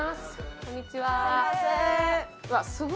こんにちは。